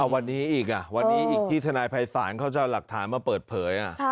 วันนี้อีกวันนี้อีกที่ทนายภัยศาลเขาจะเอาหลักฐานมาเปิดเผย